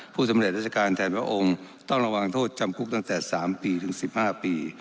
สำเร็จราชการแทนพระองค์ต้องระวังโทษจำคุกตั้งแต่๓ปีถึง๑๕ปี